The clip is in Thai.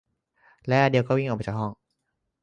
และอเดลก็วิ่งออกมาจากห้อง